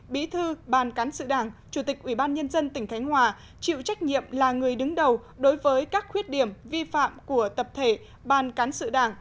bí thư ban cán sự đảng chủ tịch ubnd tỉnh khánh hòa chịu trách nhiệm là người đứng đầu đối với các khuyết điểm vi phạm của tập thể ban cán sự đảng